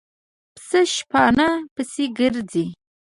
پسه شپانه پسې ګرځي.